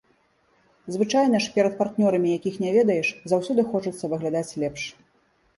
Звычайна ж перад партнёрамі, якіх не ведаеш, заўсёды хочацца выглядаць лепш.